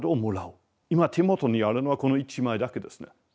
今手元にあるのはこの１枚だけですね。